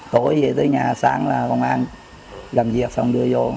tối về tới nhà sáng là công an